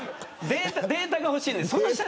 データが欲しいんです。